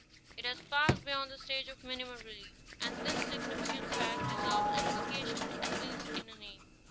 It has passed beyond the stage of minimum relief, and this significant fact deserves impli cation, at least, in aname.